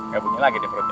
gak bunyi lagi deh perutnya